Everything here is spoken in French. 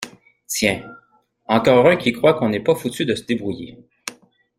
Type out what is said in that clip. Tiens, encore un qui croit qu’on n’est pas foutus de se débrouiller.